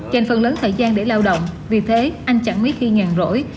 dành phần lớn thời gian để lao động vì thế anh chẳng mấy khi nhàn rỗi